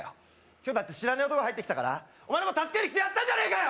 今日だって知らねえ男が入ってきたからお前のこと助けに来てやったんじゃねえかよ！